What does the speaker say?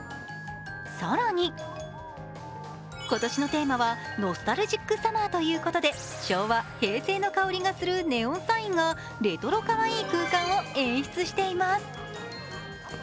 更に、今年のテーマは「ノスタルジックサマー」ということで昭和、平成の香りがするネオンサインがレトロかわいい空間を演出しています。